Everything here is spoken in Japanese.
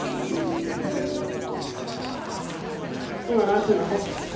今何時だろう？